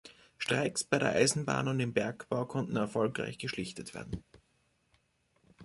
Streiks bei der Eisenbahn und im Bergbau konnten erfolgreich geschlichtet werden.